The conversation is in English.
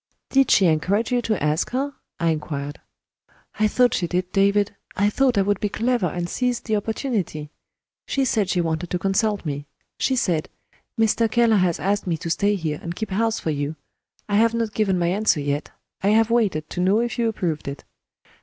"Did she encourage you to ask her?" I inquired. "I thought she did, David I thought I would be clever and seize the opportunity. She said she wanted to consult me. She said: 'Mr. Keller has asked me to stay here, and keep house for you; I have not given my answer yet, I have waited to know if you approved it.'